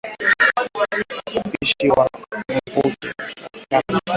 Upishi wa mvuke huongeza utamu wa viazi